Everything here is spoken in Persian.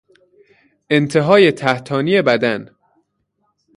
انتهای تحتانی بدن